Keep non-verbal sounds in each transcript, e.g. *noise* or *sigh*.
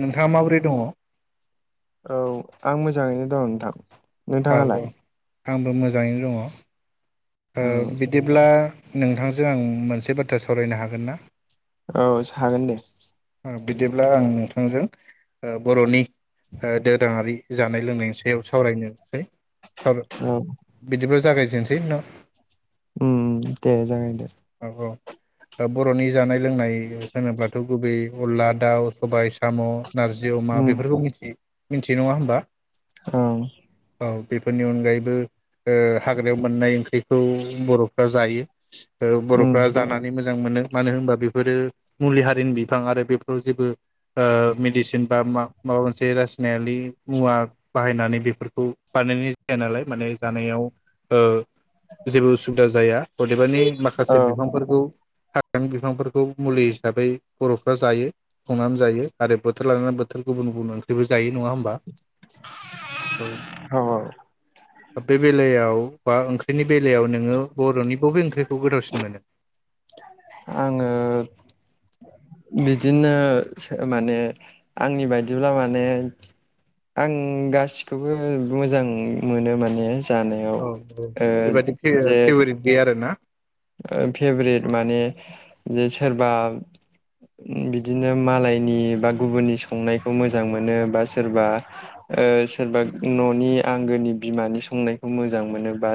नोंथाङा माबोरै दङ। औ आं मोजाङैनो दं नोंथां। औ औ नोंथाङालाय? आंबो मोज जाङैनो दङ ओ बिदिब्ला नोंथांजों आं मोनसे बाथ्रा सावरायनो हागोन ना? औ सागोन दे। ओ बिदिब्ला आं नोंथा थांजों ओ बर'नि ओ दोरोङारि जानाय लोंनायनि सायाव सावराय नोसै औ *unintelligible* बिदिब्ला जागायजे *unintelligible* उम दे जागायदो औ औ ओ बर'नि जानाय लोंनाय होनोब्लाथ' गुबै अनला, दाउ, सबाय, साम' नारजि, अमा उम बेफोरखौ मिथियो। मिन्थियो नङा होनबा? औ। औ बेफोरनि अनगायैबो ओ हाग्रायाव मोननाय ओंख्रिखौ बर'फ्रा जायो। ओ उम बर'फ्रा जानानै मो मोजां मोनो मानो होनबा बेफोरो मुलि हारिनि बिफां आरो बेफोराव जेबो ओ मेडिसिन बा मा माबा मोनसे रासायनालि मुवा बाहायनानै बेफोरखौ बानायनाय जाया नालाय माने जानायाव ओ जेबो उसुबिदा जाया अदेबानि माख औ से बिफांफोरखौ हाग्रानि बिफांफोरखौ मुलि हिसाबै बर'फ्रा जायो संनानै जायो आरो बोथोर लानानै बोथोर गुबुन गुबुन ओंख्रिबो जायो। नङा होमबा ओ औ बे बेलायाव बा ओंख्रिनि बेलायाव नोङो बर'नि बबे ओंख्रिखौ गोथावसिन मोनो? आङो बिदिनो सो माने आंनि बायदिब्ला माने आं गासिखौबो मोजां मोनो माने। जानायाव औ औ ओ बेबादि फे फेभरेट गैया आरो ना? ओ फेभरेट माने जे सोरबा बिदिनो मालायनि बा गुबुननि संनायखौ मोजां मोनो बा सोरबा ओ सोरबा न'नि आंगोनि बिमानि संनायखौ मोजां मोनो बा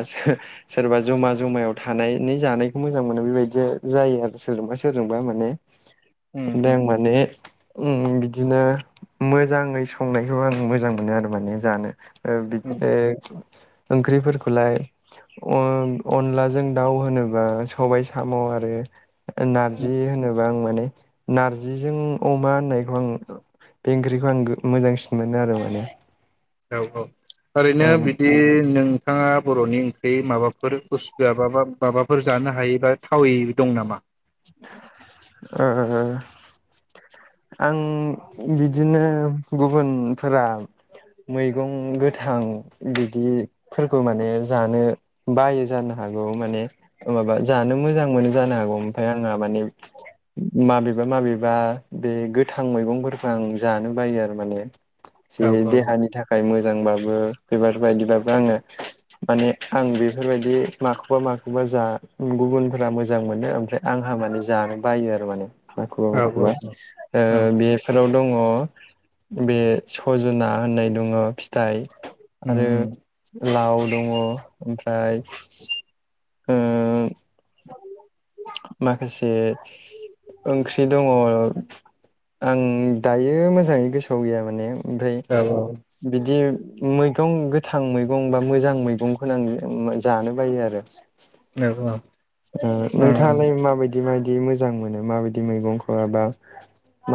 सोरबा जमा जमायाव थानाय नि जानायखौ मोजां मोनो बेबायदिया जायो आरो सोरजोंबा सोरजोंबा माने। उम दों माने ओं बिदिनो मोजाङै संनायखौ आं मोजां मोनो आरो माने जानो ओ उम ओ ओंख्रिफोरखौलाय अन अनलाजों दाउ होनोबा सबाय साम' आरो उम नार्जि होनोबा आं माने नार्जिजों अमा होननायखौ आं बे ओंख्रिखौ आं गो मोजांसिन मोनो आरो माने। औ औ ओरैनो औ बिदि नों नोंथाङा बर'नि ओंख्रि माबा फोर बुसथुआबाब माबाफोर जानो हायै बा थावै दं नामा? ओ आं बिदिनो गुबुनफोरा मैगं गोथां बिदिफोरखौ माने जानो बायो जानो हागौ माने ओ माबा जानो मोजां मोनो जानो हागौ फाय आंङा माने माबेबा माबेबा बे गोथां मैगंफोरखो आं जानो बायो आरो माने। जे औ देहानि थाखाय मोज मोजांबाबो बिबार बायदि दाबो आङो माने आं बेफोरबायदि माखौबा माखौबा जा गुबुनफोरा मोजां मोनो ओमफ्राय आंहा माने जानो बायो आरो माने। माखौबा औ माखौबा औ ओ औ बेफोराव थ' दङ बे सजना होननाय दङ फिथाइ उम आरो उम लाव दङ ओमफ्राय ओ माखासे ओंख्रि दङ। आं दायो मोजाङै गोसोआव गैया माने। ओमफ्राय औ बिदि मैगं गोथां मैगं बा मोजां मैगंखौनो आं जानो बायो आरो। औ औ ओ उम नोंथाङालाय माबायदि मा दि मोजां मोनो माबायदि मैगंखौबा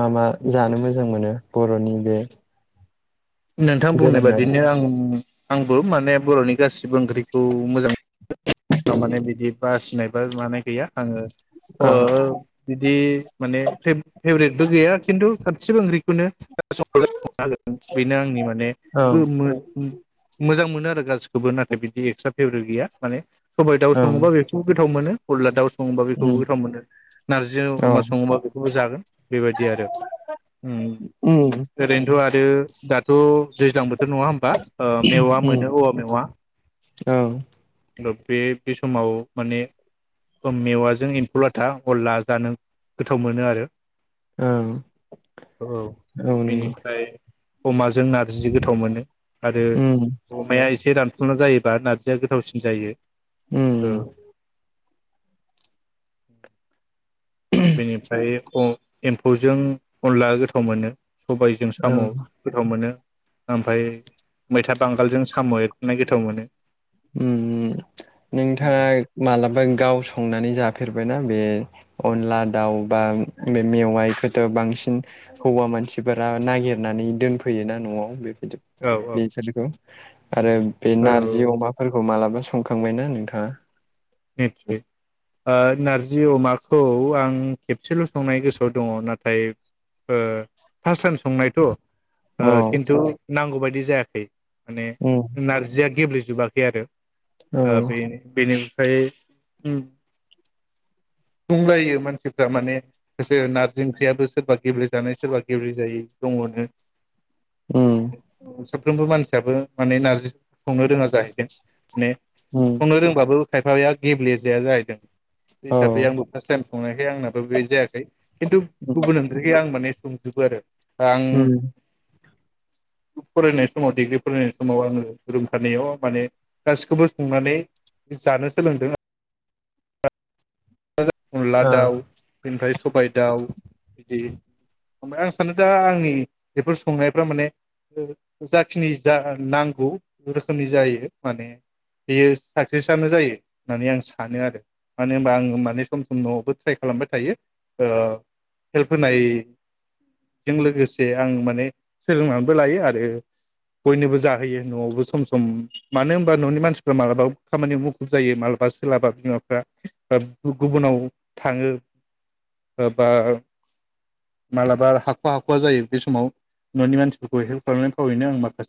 मा मा जानो मोजां मोनो। बर'नि बे नोंथां बुंनाय दोरोङारि बादिनो आं आंबो माने बर'नि गासै गोबां ओंख्रिखौ मोजां *unintelligible* माने बिदि बासिनाय बा लानाय गैया आङो अ ओ औ बिदि माने फेब-फेबरेटबो गैया खिन्थु सिबो ओंख्रिखौनो *unintelligible* बेनो आंनि माने औ गो मो मोजां मोन मोनो आरो गासिखौबो नाथाय बिदि एक्सट्रा फेबरेद गैया माने सबाय दाउ औ सङोबा बेखौ गोथाव मोनो। अनला दाव सङोबा बेखौबो उम गोथाव मोनो नारजि औ अमा सङोबा बेखौबो जागोन बेबायदि आरो ओ उम ओरैनोथ आरो दाथ दैज्लां बो थोर नङा होमबा ओ मेवा उम मोनो औवा मेवा। औ ओंदा बे बे समाव माने ओ मेवाजों एम्फौ लाथा अनला जानो गोथाव मोनो आरो औ औ औ नंगौ बेनिफ्राय अमाजों नारजि गोथाव मोनो आरो उम अमाया एसे रानफुना जायो। दा नारजिया गोथावसि जायो। उम ओ *inaudible* बिनिफ्रायो अह एम्फौजों अनला गोथाव मोनो सबायजों औ साम गोथाव मोनो ओमफ्राय मैथा बांगालजों साम एर नाय गोथाव मोनो उम उम नोंथाङा मालाबा गावस संनानै जाफेरबायना बे अनला दाउ बा बे मेवाइखोथ बांसिन हौवा मानसिफोरा नागिरनानै दोनफैयोना नआव बे बिदि औ औ बे सोरखौ *inaudible* आरो बे नारजि औ अमा मालाबा संखांबायना नोंथाङा निटसय ओ नारजि अमाखौ आं खेबसेल संनाय गोसोआव दङ नाथाय ओ फार्स्ट टाइम संनायथ ओ औ खिन्थु नांगौ बायदि जायाखै माने उम नारजिया गेब्ले जोबाखै आरो औ ओ बेनि बेनि फाय बुंलायो मानसिफ्रा माने से नारजि ओंख्रियाबो सोरबा गेब्लेेजानाय सोरबा गेब्लेेजायै दङनो उम सोब साफ्रोमबो मानसियाबो माने नारजि संनो रोङा जाहैदों माने उम संनो रोंबाबो खायफाबाया गेब्लेेजाया जाहैदों बे औ हिसाबै आंबो फास टाइम संनायखाय आंनाबो बे जायाखै खिन्थु उम गुबुन ओंख्रैया आं माने संजोबो आरो आं उम फरायनाय समाव डिग्रि फरायनाय समाव आङो रूम थानायाव माने गासिखौबो संनानै जानो सोलोंदों आ वाजो अनला औ दाउ बेनिफ्राय सबाय दाउ बिदि ओमफ्राय आं सानो दा आंनि बेफोर संनायफ्रा माने जाखिनि जा नांगौ रोखोमनि जायो माने बेयो साक्सेसनो जायो होननानै आं सानो आरो मानो होनबा आं माने सम सम न'आवबो ट्राइ खालामबाय थायो ओ हेल्प होनायजों लोगोसे आं माने सोलोंनानैबो लायो आरो बयनोबो जाहोयो न'आवबो सम सम मानो होनबा न'नि मानसिफ्रा मालाबा खामानियाव मुखुब जायो मालाबा सोलाबा बिमाफ्रा ओ गुबुनाव थाङो ओबा मालाबा हाखवा हाखवा जायो बे समाव न'नि मानसिफोरखौ हेल्प खालामनानै फावैनो आं माखासे